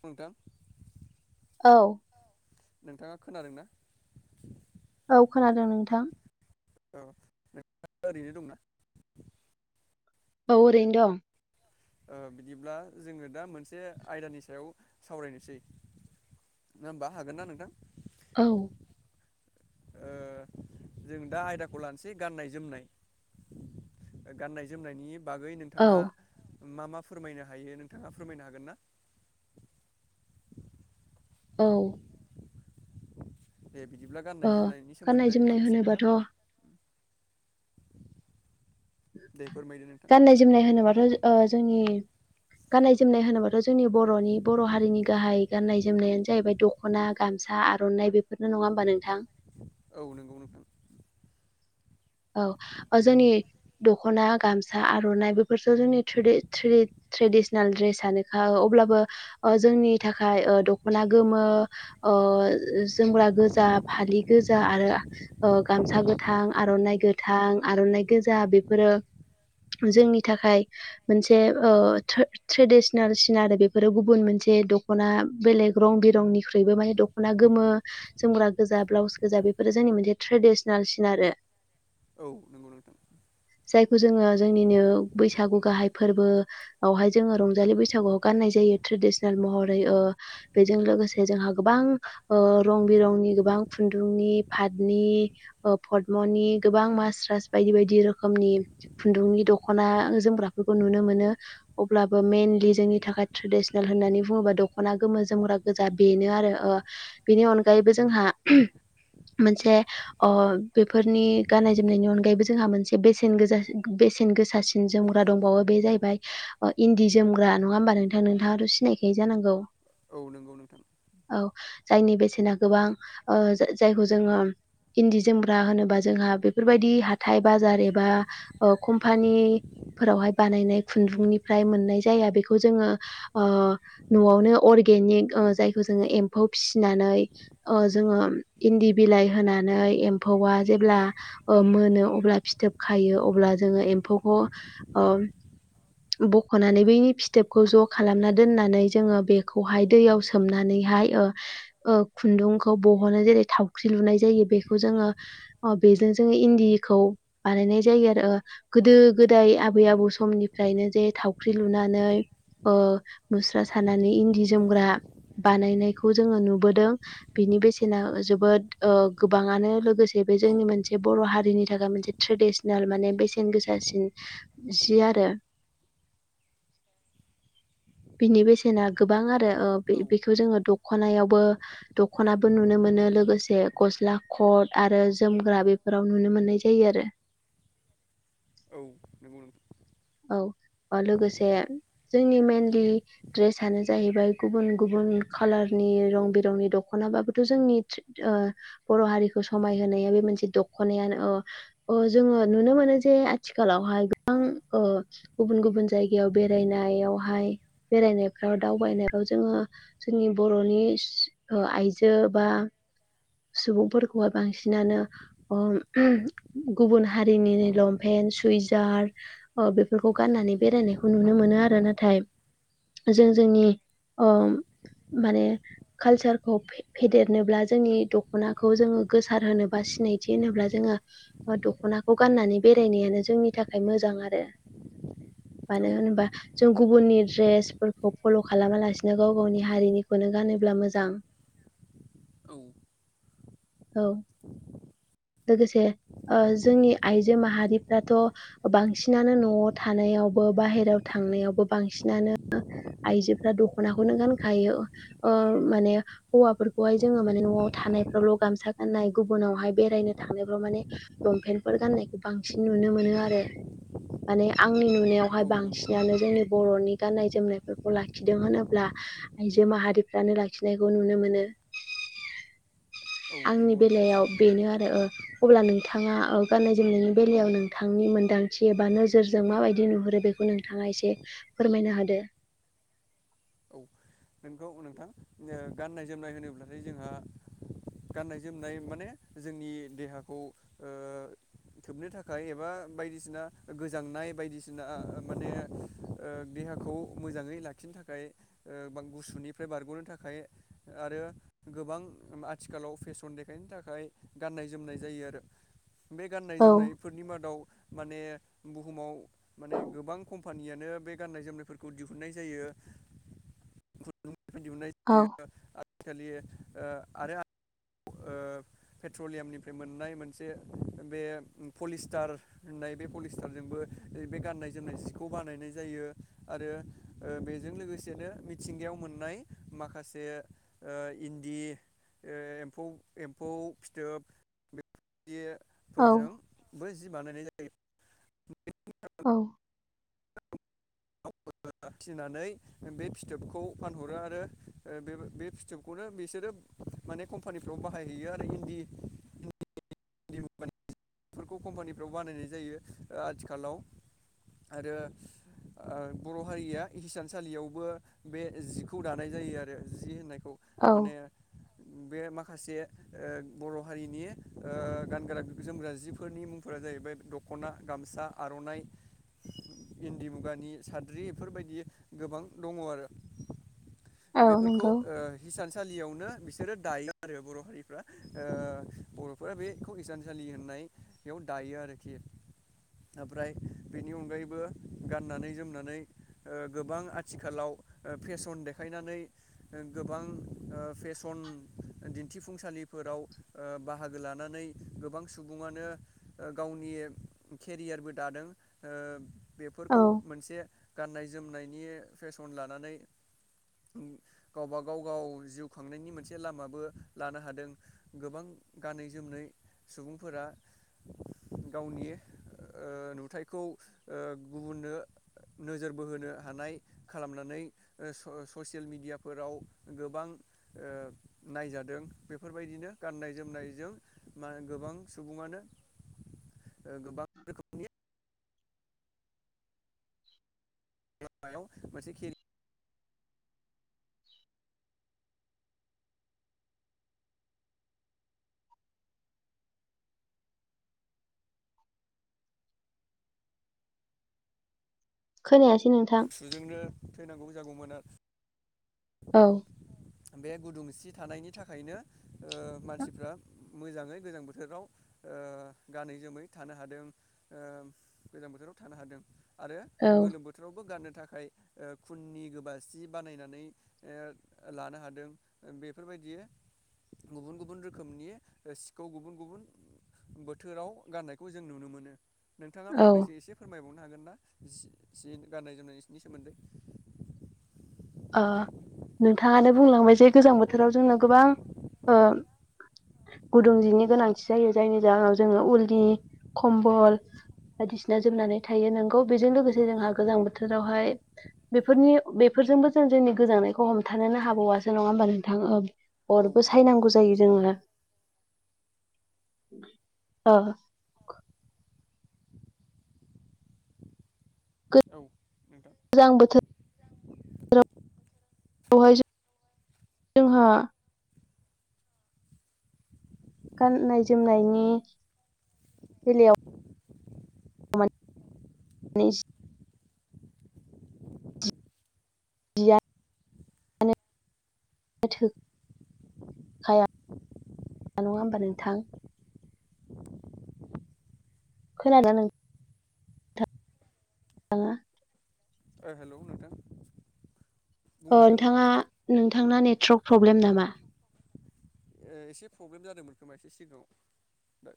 नोंथां! औ। नोंथाङा खोनादोंना? औ खोनादों नोंथां। औ नोंथाङा ओरैनो दंना? औ ओरैनो दं। ओ बिदिब्ला जोङो दा मोनसे आयदानि सायाव सावरायनोसै। नङा होमबा हागोन ना नोंथां? औ। ओ-जों दा आयदाखौ लानोसै गाननाय जोमनाय। गाननाय जोमनायनि बागै औ नोंथाङा मा मा फोरमायनो हायो नोंथाङा फोरमायनो हागोन ना? औ। दे बिदिब्ला ओ गाननाय जोमनायनि गाननाय सोमोन्दै जोमनाय माखासे खोथा होनोबाथ' दे फोरमायदो नोंथां गाननाय जोमनाय होनोबाथ ओ-जोंनि [inaudible] गाननाय जोमनाय होनोब्लााथ जोंनि बरनि बर हारिनि गाहाय गाननाय जोमनायानो जाहैबाय दखना गामसा आरनाइ बेफोरनो नङा होमबा नोंथां? औ नंगौ नोंथां। औ ओ-जोंनि दखना गामसा आरनाइ बेफोरसो जोंनि ट्रिदि ट्रि ट्रेदिसनेल द्रेसानोखा। अब्लाबो ओ जोंनि थाखाय ओ दख'ना गोमो ओ जोमग्रा गोजा, फालि गोजा, आरो ओ गामसा गोथां, आर'नाइ गोथां, आर'नाइ गोजा बेफोरो जोंनि थाखाय मोनसे ओ ट्रे- ट्रेडिसनेल सिन आरो बेफोरो गुबुन मोन से द'खना बेलेग रं बिरंनिख्रुइबो माने द'खना गोमो, जोमग्रा गोजा, ब्लाउस गोजा बेफोरो जोंनि मोनसे ट्रेडिसनेल सिन आरो औ नंगौ नोंथां। जायखौ जोङो जोंनिनो बैसागु गाहाय फोरबोआवहाय जोङो रंजालि बैसागुआव गाननाय जा यो ट्रेडिसनेल महरै। ओ बेजों लोगोसे जोंहा गोबां ओ रं बिरंनि गोबां खुन्दुंनि, फातनि, ओ फदमनि गोबां मासरास बायदि बायदि रोखोमनि खुन्दुंनि दख'ना जोमग्राफोरखौ नुनो मोनो। अब्लाबो मेइनलि जोंनि थाखाय ट्रेडिसनेल होननानै बुङोबा दख'ना गोमो, जोमग्रा गोजा बेनो आरो ओ बेनि अनगायैबो जोंहा [unintelligible] मोनसे ओ बेफोरनि गाननाय जोमनायनि अनगायैबो जोंहा मोनसे बेसेन गोजासि बेसेन गोसासिन जोमग्रा दंबावो‌। बे जाहैबाय ओ इन्दि जोमग्रा नङा होमबा नोंथां? नोंथाङाथ' सिनायखायो जानांगौ? औ नंगौ नोंथां। औ जायनि बेसेना गोबां ओ जाय जायखौ जोङो इन्दि जोमग्रा होनोबा जोंहा बेफोरबायदि हाथाय बाजार एबा ओ कम्फानि फोरावहाय बानायनाय खुन्दुंनिफ्राय मोननाय जाया बेखौ जोङो ओ न'आवनो अर गेनिक ओ जायखौ जोङो एम्फौ फिसिनानै ओ जोङो इन्दि बिलाइ होनानै एम्फौआ जेब्ला ओ मोनो अब्ला फिथोब खायो अब्ला जोङो एम्फौखौ ओ बख'नानै बैनि फिथोबखौ ज' खालामना दोननानै जोङो बेखौहाय दैयाव सोमनानै हाय ओ ओ खुुन्दुंखौ बहनो। जेरै थावख्रि लुनाय जायो बेखौ जोङो ओ बे जों इन्दि हिखौ बानायनाय जायो आरो ओ औ गोदो गोदाय आबै आबौ समनिफ्रायनो जे थावख्रि लुनानै ओ मुस्रा सानानै इन्दि जोमग्रा बानायनायखौ जोङो नुबोदों। बिनि बेसेना जोबोद ओ गोबाङानो लोगोसे बे औ जोंनि मोनसे बर' हारिनि थाखाय मोनसे ट्रेडिसनेल माने बेसेन गोसासिन जि आरो [inaudible] बिनि बेसेना गोबां आरो ओ औ बे-बेखौ जोङो द' ख'नायावबो दख'नाबो नुनो मोनो लोगोसे गस्ला खट आरो जोमग्रा बे फोराव नुनो मोननाय जायो आरो औ नोंंगौ नोंथां। औ। लोगोसे जोंनि मेनलि ड्रेसानो जाहैबाय गुबुन गुबुन खालारनि रं बिरंनि दख'नाबाबोथ' जोंनि ट्रे ओ बर' हारिखौ समायहोनाया बे मोनसे दख' नायानो। ओ ओ जोङो नुनो मोनो जे आथिखालावहाय गोबां ओ गुबुन गुबुन जायगायाव बेरायनायावहाय बेरायनायफ्राव दावबायनायफ्राव जोङो जोंनि बर'नि ओ आइजो बा सुबुंफोरखौहाय बांसिनानो ओ [unintelligible] गुबुन हा हारिनिनो लंफेन, सुइजार [unintelligible] बेफोरखौ गाननानै बेरायनायखौ नुनो मोनो आरो नाथाय जों जोंनि अ औ माने कालचारखौ फे-फेदेरनोब्ला जोंनि दख'नाखौ जोङो गोसारहोनोबा सिनायथि होनोब्ला जोङो दख'नाखौ गाननानै बेरायनायानो जोंनि थाखाय मोजां आरो औ मानो होनबा जों गुबुननि ड्रेसफोरखौ फल' खालामालासिनो गाव गावनि हारिनिखौनो गानोब्ला मोजां। औ। औ। लोगोसे ओ जोंनि आइजो माहारिफ्राथ' बांसिनानो न'आव थानायाव बो बाहेराव थांनायावबो बांसिनानो आइजोफोरा दख'नाखौनो गानखायो ओ माने हौवाफोरखौहाय जोङो माने न'आव थानायफ्रावल' गामसा गाननाय गुबुनावहाय बेरायनो थांनायफ्राव माने लंपेन्टफोर गान्नायखौ बांसिन नुनो मोनो आरो। माने आंनि औ नुनायावहाय नंगौ नोंथां बांसिनानो जोंनि बर'नि गाननाय-जोमनायफोरखौ लाखिदों होनोब्ला आइजो माहारिफ्रानो लाखिनायखौ नुनो मोनो। [inaudible] आंनि नंगौ नोंथां बेलायाव बेनो आरो ओ अब्ला नोंथाङा गाननाय-जोमनायनि बेलायाव नोंथांनि मोन्दांथि एबा नोजोरजों माबायदि नुहुरो बेखौ नोंथाङा एसे फोरमायनो होदो? औ नोंगौ नोंथां ओ गाननाय-जोमनाय होनोब्लाथाय जोंहा गाननाय-जोमनाय माने जोंनि देहाखौ ओ खोबनो थाखाय एबा बायदिसिना गोजांनाय बायदिसिना माने देहाखौ मोजाङै लाखिनो थाखाय ओ गुसुनिफ्राय बारग'नो थाखाय आरो गोबां आथिखालाव फेसन देखायनो थाखाय गाननाय-जोमनाय जायो आरो। बे औ गाननाय-जोमनायफोरनि मादाव माने बुहुमाव माने गोबां कम्पानियानो बे गाननाय जोमनायफोरखौ दिहुननाय जायो [inaudible] खुन्दुंनिफ्राय दिहुननाय औ जायो आजिखालि ओ आरो पेट्रलियामनिफ्राय मोननाय मोनसे बे पलिस्टार होननाय बे पलिस्टारजोंबो गाननाय-जोमनाय सिखौ बानायनाय जायो आरो बेजों लोगोसेनो मिथिं गायाव मोननाय माखासे ओ इन्दि एमफौ एम फौ फिथोब बेबायदि औ फोरजोंबो जि बानायनाय जायो। औ फिनानै बे फिथोबखौ फानहरो आरो बे फिथोबखौनो बिसोरो माने कम्पानिफ्राव बाहायहैयो आरो इन्दि माने बेफोरखौ कम्पानिफ्राव बानायनाय जायो आथिखालाव आरो ओ बर' हारिया हिसानसालियावबो बे जिखौ दानाय जायो आरो जि होननाय खौ औ माने बे माखासे ओ बर' हारिनि ओ गानग्रा जोमग्रा जिफोरनि मुंफोरा जाहैबाय दख'ना गामसा आर'नाइ इन्दि मुगानि साद्रि बेफोरबायदि गोबां दङ आरो औ बेफोरखौ नंगौ हिसानसालियावनो बिस बिसोरो दायो आरो बर' हारिफ्रा ओ बर फोर बेखौ हिसानसालि होननाय बेयाव दायो आरोखि। ओमफ्राय बेनि अनगायैबो गाननानै जोमनानै गोबां आथिखालाव फेसन देखायनानै गोबां फेसन दिन्थिफुंसालि फोराव बाहागो लानानै गोबां सुबुङनो गावनि केरियारबो दादों ओ औ बेफोरखौ मोनसे गाननाय जोमनायनि फेसन लानानै गावब गाव गाव जिउ खांनायनि मोनसे लामाबो लानो हादों गोबां गानै जोमनाय सुबुंफोरा गावनि ओ नुथायखौ ओ गुबुननो नोजोर बोहोनो हानाय खालामनानै ससियेल मिेडियाफोराव गोबां ओ नायजादों बेफोरबायदिनो गाननाय जोमनायजों म गोबां सुबङनो गोबां रोखोमनि लामायाव मोनसे केर [inaudible] खोनायासै नोंथां थुजोंनो थैनांगौ जागौमोन औ आरो बे गुदुं सि थानायनि थाखायनो औ मानसिफ्रा मोजाङै गोजां बोथोराव गानै जोमै थानो हादों ओ गोजां बोथोराव थानो हादों आरो औ गोलोम बोथोराव नो थाखाय खुननि गोबा सि बानायनानै ओ लानो हादों बे बेफोरबायदि गुबुन गुबुन रोखोमनि सिखौ गुबुन गुबुन बोथोराव गाननायखौ जों नुनो मोनो। नोंथाङा ओ फंनैसो एसे फोरमायबावनो हागोन ना एसे से गाननाय जोमनायनि सोमोन्दै। ओ नोंथाङानो बुंलांबाय जे गोजां बोथोराव जोंनो गोबां ओ गुदुं जिनि गोनांथि जायो जायनि जाहोनाव जोङो उलि खम्बल। बायदिसिना जोमनानै थायो नोंगौ बेजों लोगोसे जोंहा गोजां बोथोरावहाय बेफोरनि बेफोरजोंबो जों जोंनि गोजांनायखौ हमथानोन हाबावआासो नङा होमबा नोंथां। औ अरबो नंगौ सायनांगौ नोंथां जायो जोङो औ औ नोंथां गोजां बोथोर [unintelligible] बेवहाय जो जोंहा गाननाय जोमनायनि बेलायाव [unintelligible] खाया नङा होमबा नोंथां खोनादोंना नों थाङा हेल' नोंथां बुंनो हागोन नोंथाङा नोंथांना नेटवर्क प्रब्लेम नामा एसे प्रब्लेम जादोंमोन खोमा एसे सिगाङाव दा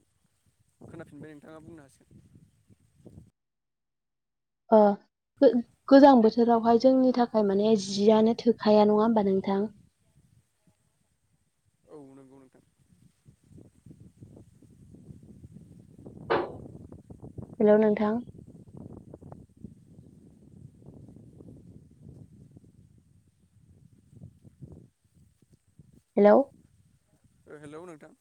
खोनाफिनबाय नोंथाङा बुंनो हासिगोन अ गोजां बोथोरावहाय जोंनि थाखाय माने जियानो थोखाया नङा होमबा नोंथां औ नंगौ नोंथां हेल नोंथां हेल हेल नोंथां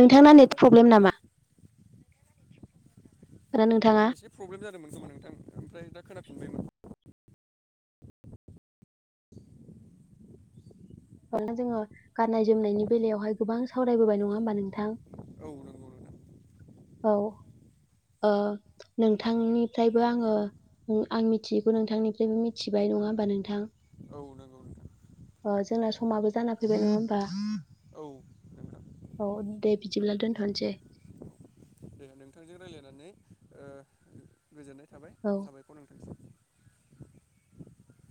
नोंथांना हेलौ नेट नोंथां प्रब्लेम नामा ना नोंथाङा एसे प्रब्लेम जादोंमोन खोमा नोंथां ओमफ्राय दा खोना जोङो गाननाय जोमनायनि बेलायावहाय गोबां सावरायबोबाय नङा होमबा नोंथां औ नंगौं नोंथां औ ओ नोंथांनिफ्रायबो आङो आं मिथियैखौ नोंथांनिफ्रायबो मिथिबाय नङा होमबा नोंथां औ नंगौ नोंथां अ जोंना समाबो जाना फैबाय नङा होमबा औ नोंथां औ दे बिदिब्ला दोनथ'सै दे नोंथांजों रायज्लायनानै ओ गोजोननाय थाबाय औ साबायखर नोंथांसै